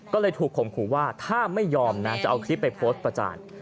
ก็เลยถูกข่มขู่ว่าถ้าไม่ยอมนะจะเอาคลิปไปโพสต์ประจาน